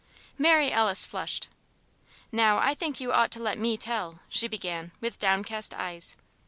Mary Alice flushed. "Now I think you ought to let me tell," she began, with downcast eyes.